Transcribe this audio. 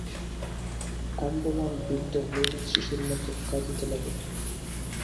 কম্পমান বৃদ্ধ হরিনাথ শিশুর মতো কাঁদিতে লাগিল।